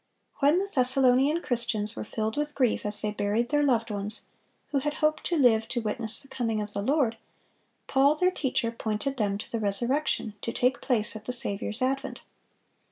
When the Thessalonian Christians were filled with grief as they buried their loved ones, who had hoped to live to witness the coming of the Lord, Paul, their teacher, pointed them to the resurrection, to take place at the Saviour's advent.